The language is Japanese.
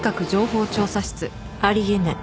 あり得ない。